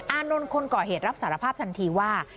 อานนท์คนก่อเหตุรับสารภาพทันทีว่า